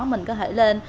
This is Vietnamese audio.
mình có thể lên